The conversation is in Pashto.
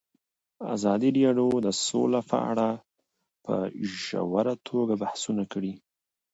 ازادي راډیو د سوله په اړه په ژوره توګه بحثونه کړي.